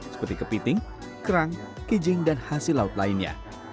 seperti kepiting kerang kijing dan hasil laut lainnya